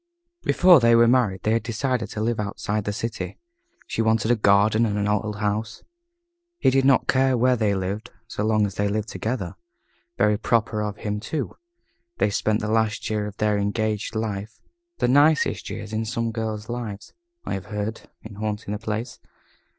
Before they were married they had decided to live outside the city. She wanted a garden and an old house. He did not care where they lived so long as they lived together. Very proper of him, too. They spent the last year of their engaged life, the nicest year of some girls' lives, I have heard in hunting the place.